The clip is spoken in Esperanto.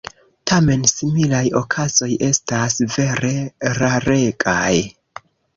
Tamen similaj okazoj estas vere raregaj.